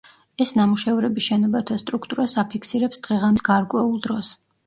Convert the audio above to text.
ეს ნამუშევრები შენობათა სტრუქტურას აფიქსირებს დღე-ღამის გარკვეულ დროს.